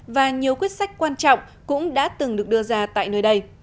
và nhiều quyết sách quan trọng cũng đã từng được đưa ra tại nơi đây